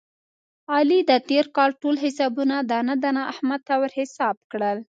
علي د تېر کال ټول حسابونه دانه دانه احمد ته ور حساب کړل.